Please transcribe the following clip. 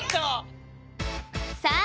さあ